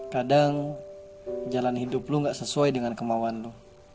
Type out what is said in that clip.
kadang jalan hidupmu gak sesuai dengan kemauan lo